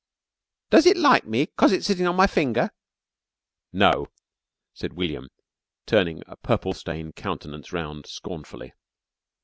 Does it like me 'cause it's sittin' on my finger?" "No," said William, turning a purple stained countenance round scornfully.